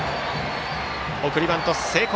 送りバント成功。